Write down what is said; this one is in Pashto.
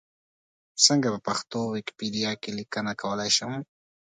څنګه په پښتو ویکیپېډیا کې لیکنه کولای شم؟